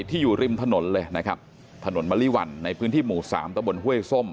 อยู่ริมถนนเลยนะครับถนนมะลิวันในพื้นที่หมู่สามตะบนห้วยส้ม